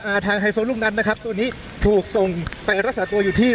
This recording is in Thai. ทางไฮโซลูกนั้นนะครับตัวนี้ถูกส่งไปรักษาตัวอยู่ที่